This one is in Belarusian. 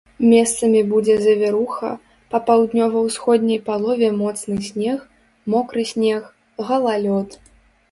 Месцамі будзе завіруха, па паўднёва-ўсходняй палове моцны снег, мокры снег, галалёд.